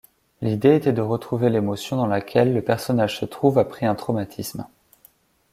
L'idée était de retrouver l'émotion dans laquelle le personnage se trouve après un traumatisme.